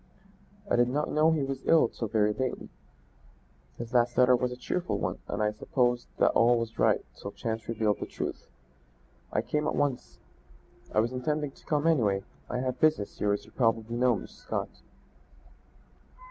"I did not know he was ill till very lately. His last letter was a cheerful one, and I supposed that all was right till chance revealed the truth. I came on at once. I was intending to come anyway. I have business here, as you probably know, Miss Scott."